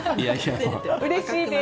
うれしいです。